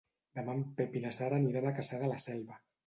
Demà en Pep i na Sara aniran a Cassà de la Selva.